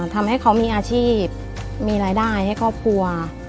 ทำให้เขามีอาชีพมีรายได้ให้ครอบครัว